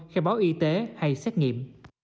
khai báo y tế hay xét nghiệm